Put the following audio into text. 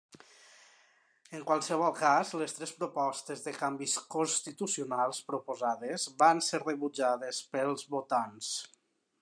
En qualsevol cas, les tres propostes de canvis constitucionals proposades van ser rebutjades pels votants.